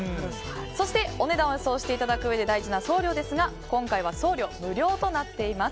そしてお値段を予想していただくうえで大事な送料ですが今回は送料無料となっています。